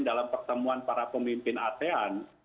dalam pertemuan para pemimpin asean